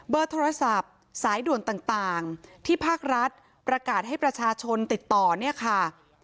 โทรศัพท์สายด่วนต่างที่ภาครัฐประกาศให้ประชาชนติดต่อเนี่ยค่ะ